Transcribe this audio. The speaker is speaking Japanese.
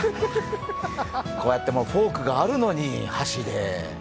こうやってフォークがあるのに箸で。